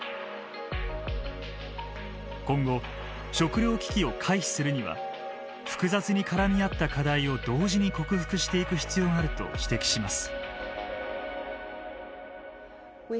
今後食料危機を回避するには複雑に絡み合った課題を同時に克服していく必要があると指摘します。